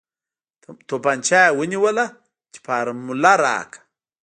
تمانچه يې ونيوله چې فارموله راکه.